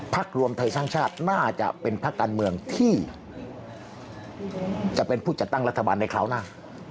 รวมไทยสร้างชาติน่าจะเป็นพักการเมืองที่จะเป็นผู้จัดตั้งรัฐบาลในคราวหน้า